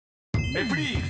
［『ネプリーグ』